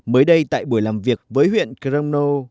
mới đây tại buổi làm việc với huyện cromno